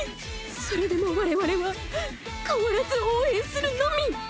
それでも我々は変わらず応援するのみ。